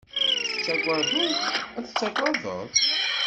Tettagadeḍ ad tagadeḍ?